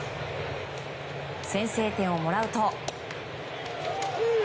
先制点をもらうと。